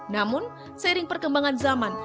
namun seiring perkembangan zaman